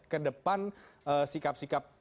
ke depan sikap sikap